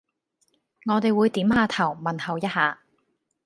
我哋會點吓頭問候一吓